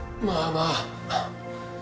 まあまあ。